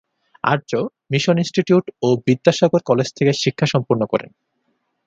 আর্য Mission Institution ও Vidyasagar College থেকে শিক্ষা সম্পন্ন করেন।